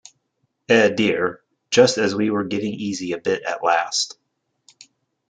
Eh, dear, just as we were getting easy a bit at last.